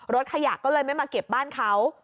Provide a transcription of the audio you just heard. รถขยะก็เลยไม่มาเก็บบ้านเขา